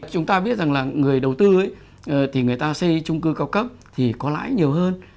chúng ta biết rằng là người đầu tư thì người ta xây trung cư cao cấp thì có lãi nhiều hơn